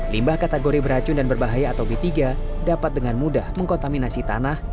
limbah kategori beracun dan berbahaya atau b tiga dapat dengan mudah mengkontaminasi tanah